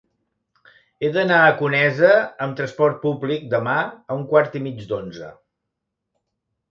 He d'anar a Conesa amb trasport públic demà a un quart i mig d'onze.